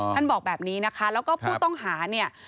บอกแบบนี้นะคะแล้วก็ผู้ต้องหาเนี่ย